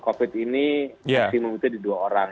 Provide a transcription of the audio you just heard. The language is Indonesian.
covid ini maksimum itu di dua orang